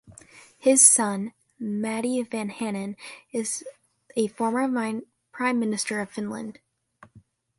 His son, Matti Vanhanen, is a former Prime Minister of Finland.